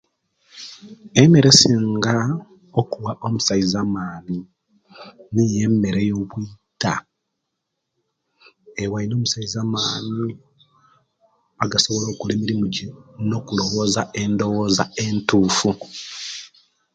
Emere esinga okuwa omusaiza amani niyo emere eyobwiita ewa ino omusaiza amaini agasobola okola emirimu je nokulowoza endoboza entufu